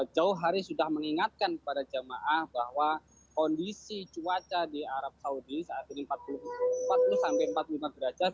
jauh hari sudah mengingatkan kepada jamaah bahwa kondisi cuaca di arab saudi saat ini empat puluh sampai empat puluh lima derajat